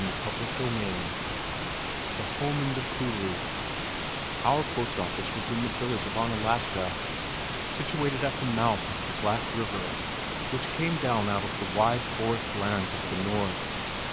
CHAPTER III The Home in the Coulee Our postoffice was in the village of Onalaska, situated at the mouth of the Black River, which came down out of the wide forest lands of the north.